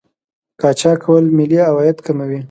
قاچاق کول ملي عواید کموي.